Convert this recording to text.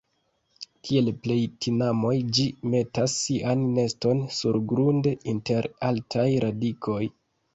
Kiel plej tinamoj ĝi metas sian neston surgrunde inter altaj radikoj.